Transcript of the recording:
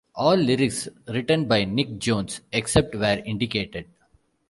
All lyrics written by Nick Jones; except where indicated.